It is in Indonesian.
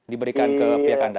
diberikan ke pihak anda